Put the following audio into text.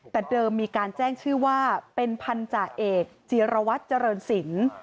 แต่เดิมมีการแจ้งชื่อว่าเป็นพันธาเอกจีรวัตรเจริญศิลป์